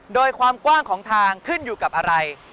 โดยความกว้างของทางขึ้นอยู่กับอะไร